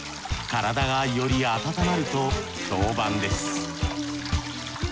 体がより温まると評判です。